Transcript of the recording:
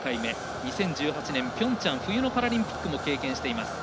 ２０１８年ピョンチャン冬のパラリンピックも経験しています。